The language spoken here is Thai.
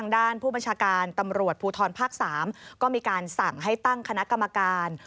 ด้านผู้บัญชาการตำรวจภูทรภาค๓ก็มีการสั่งให้ตั้งคณะกรรมการ